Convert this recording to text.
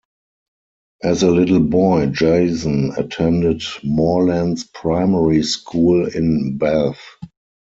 As a little boy, Jason attended Moorlands Primary School in Bath.